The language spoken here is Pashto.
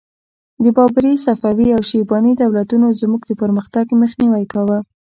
د بابري، صفوي او شیباني دولتونو زموږ د پرمختګ مخنیوی کاوه.